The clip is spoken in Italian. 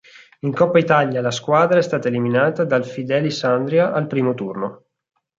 In Coppa Italia la squadra è stata eliminata dal Fidelis Andria al primo turno.